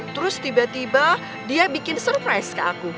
terus tiba tiba dia bikin surprise ke aku